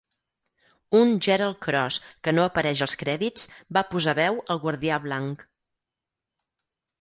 Un Gerald Cross que no apareix als crèdits va posar veu al Guardià Blanc.